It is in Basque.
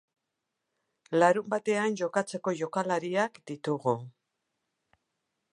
Larunbatean jokatzeko jokalariak ditugu.